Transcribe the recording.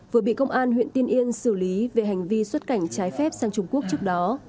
vừa bị công an huyện tiên yên xử lý về hành vi xuất cảnh trái phép sang trung quốc trước đó